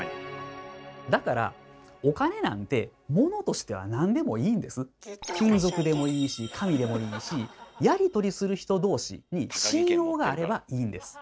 だから金属でもいいし紙でもいいしやりとりする人同士に信用があればいいんです。